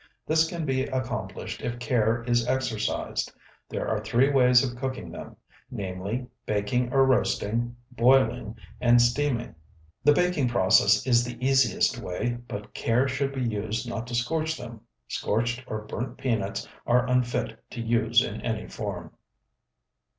This can be accomplished if care is exercised. There are three ways of cooking them: namely, baking or roasting, boiling, and steaming. The baking process is the easiest way, but care should be used not to scorch them. Scorched or burnt peanuts are unfit to use in any form.